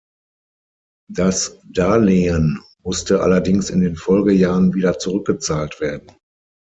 Das Darlehen musste allerdings in den Folgejahren wieder zurückgezahlt werden.